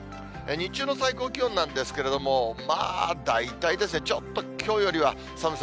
日中の最高気温なんですけれども、まあ大体ちょっときょうよりは寒さ